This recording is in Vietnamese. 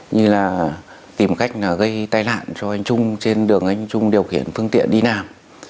như là tìm cách gây tai nạn cho anh trung trên đường anh trung điều khiển phương tiện đi nàm